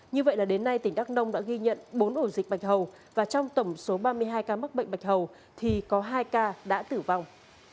như vậy là đến nay tỉnh đắk nông đã ghi nhận bốn ổ dịch bạch hầu và trong tổng số ba mươi hai ca mắc bệnh bạch hầu thì có hai ca đã tử vong